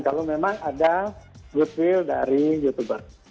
kalau memang ada goodwill dari youtuber